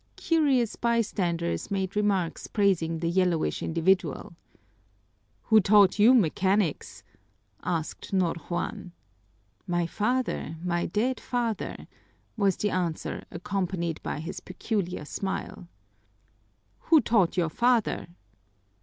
Curious bystanders made remarks praising the yellowish individual. "Who taught you mechanics?" asked Ñor Juan. "My father, my dead father," was the answer, accompanied by his peculiar smile. "Who taught your father?"